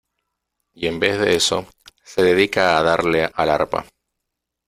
y en vez de eso , se dedica a darle al arpa .